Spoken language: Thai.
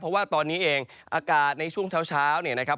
เพราะว่าตอนนี้เองอากาศในช่วงเช้าเนี่ยนะครับ